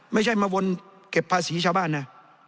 ไม่ใช่มาวนเก็บภาษีชาวบ้านนะ